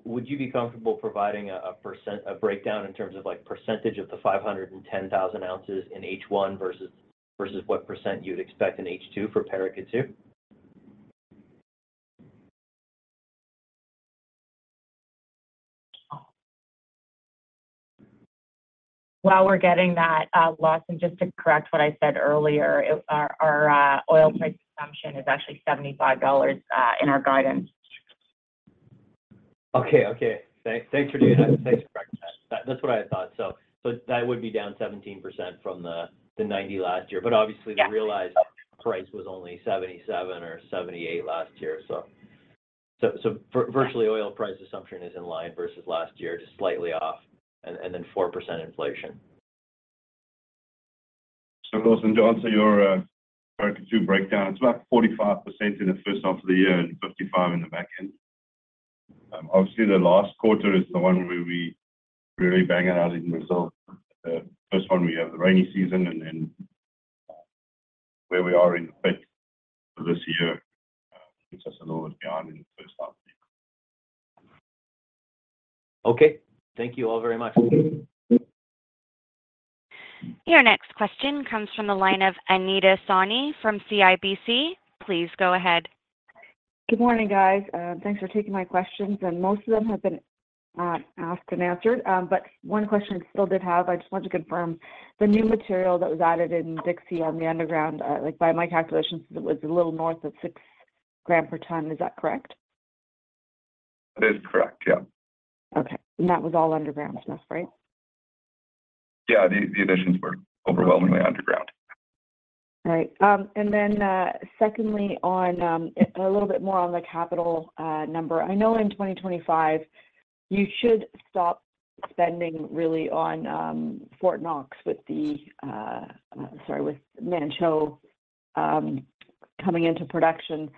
S11: would you be comfortable providing a breakdown in terms of percentage of the 510,000 ounces in H1 versus what percent you'd expect in H2 for Paracatu?
S4: While we're getting that, Lawson, just to correct what I said earlier, our oil price assumption is actually $75 in our guidance.
S11: Okay. Okay. Thanks, Andrea. Thanks for correcting that. That's what I had thought. So that would be down 17% from the $90 last year. But obviously, the realized price was only $77 or $78 last year. So virtually, oil price assumption is in line versus last year, just slightly off, and then 4% inflation.
S5: Lawson Winder, your Paracatu breakdown, it's about 45% in the first half of the year and 55% in the back end. Obviously, the last quarter is the one where we really bang it out in Brazil. The first one, we have the rainy season, and then where we are in the pit for this year puts us a little bit behind in the first half of the year.
S11: Okay. Thank you all very much.
S1: Your next question comes from the line of Anita Soni from CIBC. Please go ahead.
S12: Good morning, guys. Thanks for taking my questions. Most of them have been asked and answered. One question I still did have, I just wanted to confirm, the new material that was added in Dixie on the underground, by my calculations, it was a little north of 6 grams per ton. Is that correct?
S5: It is correct. Yeah.
S12: Okay. And that was all underground stuff, right?
S5: Yeah. The additions were overwhelmingly underground.
S12: All right. And then secondly, a little bit more on the capital number. I know in 2025, you should stop spending really on Fort Knox with the sorry, with Manh Choh coming into production.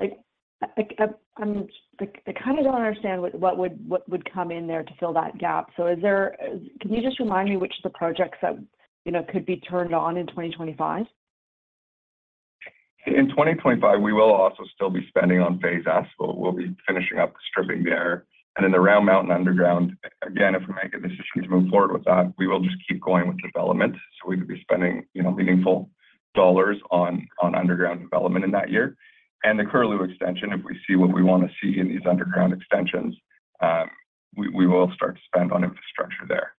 S12: I kind of don't understand what would come in there to fill that gap. So can you just remind me which of the projects that could be turned on in 2025?
S5: In 2025, we will also still be spending on Phase S. We'll be finishing up the stripping there. In the Round Mountain underground, again, if we make a decision to move forward with that, we will just keep going with development. We could be spending meaningful dollars on underground development in that year. The Curlew extension, if we see what we want to see in these underground extensions, we will start to spend on infrastructure there.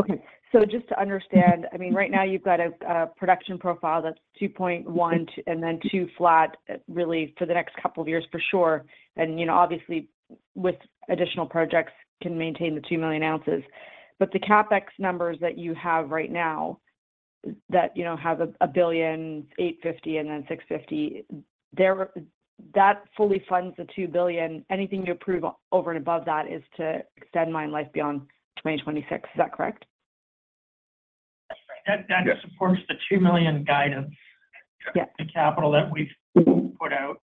S12: Okay. So just to understand, I mean, right now, you've got a production profile that's 2.1 and then 2 flat really for the next couple of years for sure. And obviously, with additional projects, can maintain the 2 million ounces. But the capex numbers that you have right now that have $1 billion, $850 million, and then $650 million, that fully funds the $2 billion. Anything you approve over and above that is to extend mine life beyond 2026. Is that correct?
S3: That's right. That supports the 2 million guidance, the capital that we've put out.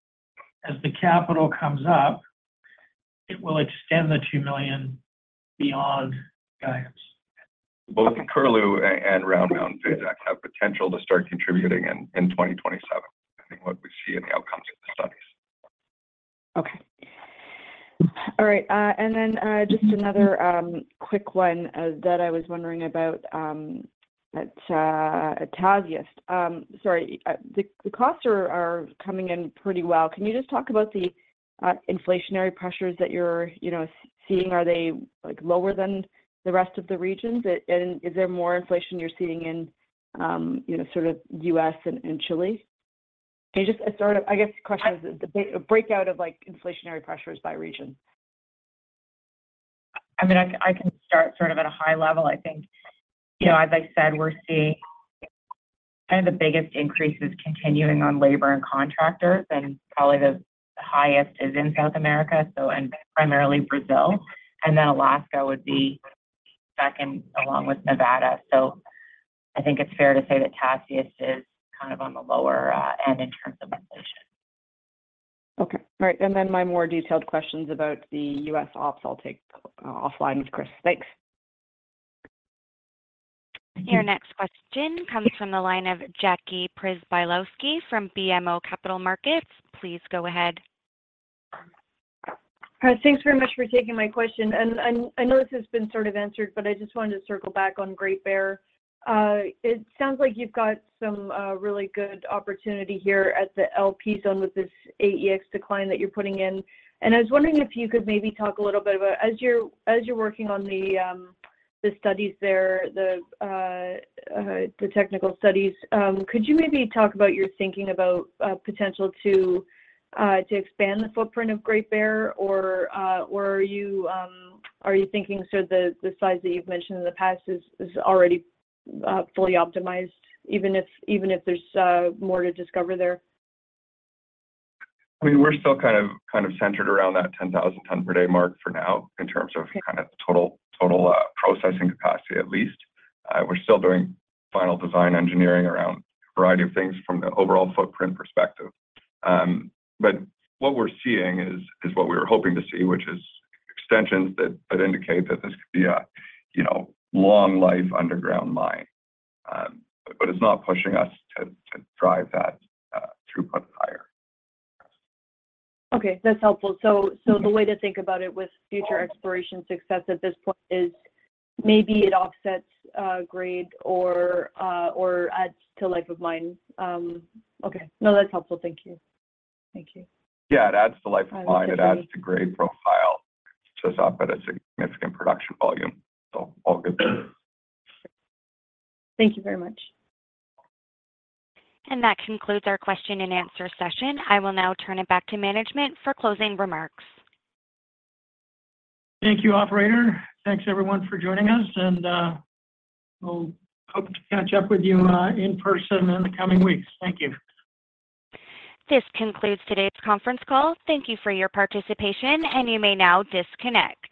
S3: As the capital comes up, it will extend the 2 million beyond guidance.
S5: Both Curlew and Round Mountain Phase X have potential to start contributing in 2027, depending on what we see in the outcomes of the studies.
S12: Okay. All right. And then just another quick one that I was wondering about at Tasiast. Sorry. The costs are coming in pretty well. Can you just talk about the inflationary pressures that you're seeing? Are they lower than the rest of the regions? And is there more inflation you're seeing in sort of U.S. and Chile? Can you just sort of I guess the question is the breakdown of inflationary pressures by region?
S4: I mean, I can start sort of at a high level. I think, as I said, we're seeing kind of the biggest increases continuing on labor and contractors, and probably the highest is in South America and primarily Brazil. And then Alaska would be second along with Nevada. So I think it's fair to say that Tasiast is kind of on the lower end in terms of inflation.
S12: Okay. All right. And then my more detailed questions about the U.S. ops, I'll take offline with Chris. Thanks.
S1: Your next question comes from the line of Jackie Przybylowski from BMO Capital Markets. Please go ahead.
S13: Thanks very much for taking my question. And I know this has been sort of answered, but I just wanted to circle back on Great Bear. It sounds like you've got some really good opportunity here at the LP Zone with this AEX decline that you're putting in. And I was wondering if you could maybe talk a little bit about as you're working on the studies there, the technical studies, could you maybe talk about your thinking about potential to expand the footprint of Great Bear? Or are you thinking sort of the size that you've mentioned in the past is already fully optimized, even if there's more to discover there?
S5: I mean, we're still kind of centered around that 10,000-ton-per-day mark for now in terms of kind of total processing capacity, at least. We're still doing final design engineering around a variety of things from the overall footprint perspective. But what we're seeing is what we were hoping to see, which is extensions that indicate that this could be a long-life underground mine. But it's not pushing us to drive that throughput higher.
S13: Okay. That's helpful. So the way to think about it with future exploration success at this point is maybe it offsets grade or adds to life of mine. Okay. No, that's helpful. Thank you. Thank you.
S5: Yeah. It adds to life of mine. It adds to grade profile. It shuts off at a significant production volume. So all good.
S13: Thank you very much.
S1: That concludes our question-and-answer session. I will now turn it back to management for closing remarks.
S3: Thank you, operator. Thanks, everyone, for joining us. And we'll hope to catch up with you in person in the coming weeks. Thank you.
S1: This concludes today's conference call. Thank you for your participation, and you may now disconnect.